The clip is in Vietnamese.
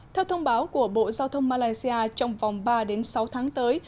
theo thông báo của bộ giao thông malaysia trong vòng ba sáu tháng tới